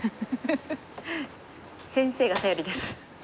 フフフ先生が頼りです。